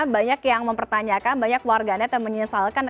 banyak yang mempertanyakan banyak warganet yang menyesalkan